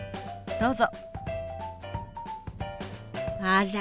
どうぞ。